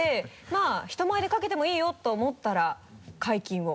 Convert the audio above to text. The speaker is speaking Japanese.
まぁ人前でかけてもいいよと思ったら「解禁」を。